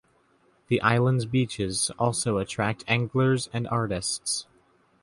The island's beaches also attract anglers and artists.